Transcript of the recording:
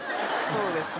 そうですね。